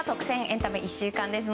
エンタメ１週間です。